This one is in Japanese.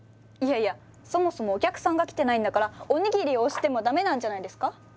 いやいやそもそもお客さんが来てないんだからおにぎりを推しても駄目なんじゃないですか？